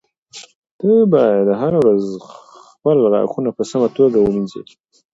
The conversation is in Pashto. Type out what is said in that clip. ته باید هره ورځ خپل غاښونه په سمه توګه ومینځې.